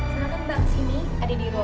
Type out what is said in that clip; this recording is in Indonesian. senangkan bang sini ada di ruang bukit